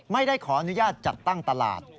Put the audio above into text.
ไม่ได้ขออนุญาตจัดตั้งตลาด